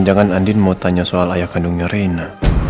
jangan andin mau tanya soal ayah kandungnya reina